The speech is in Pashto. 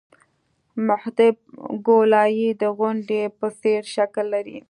محدب ګولایي د غونډۍ په څېر شکل لري